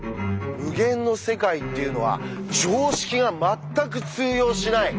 無限の世界っていうのは常識がまったく通用しない